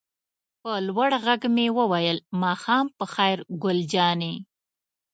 په لوړ غږ مې وویل: ماښام په خیر ګل جانې.